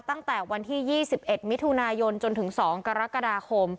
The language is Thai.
ตั้งแต่วันที่๒๑มิถุนายนจนถึง๒กรกฎาคม